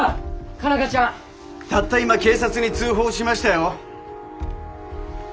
たった今警察に通報しましたよ。